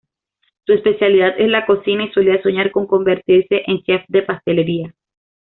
Su especialidad es la cocina y solía soñar con convertirse en chef de pastelería.